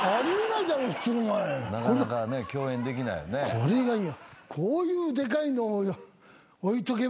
これがいい。